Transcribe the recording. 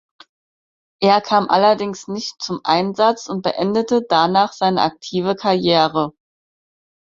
Er kam allerdings nicht zum Einsatz und beendete danach seine aktive Karriere.